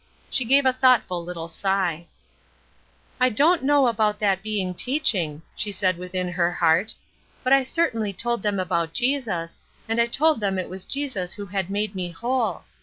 She gave a thoughtful little sigh. "I don't know about that being teaching," she said within her heart, "but I certainly told them about Jesus, and I told them it was Jesus who had 'made me whole.'